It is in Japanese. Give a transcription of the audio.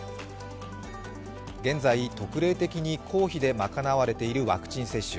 現在、特例的に公費で賄われているワクチン接種。